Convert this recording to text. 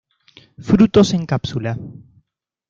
Frutos en cápsula.